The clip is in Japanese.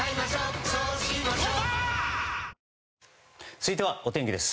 続いてはお天気です。